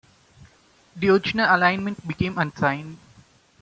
The original alignment became unsigned.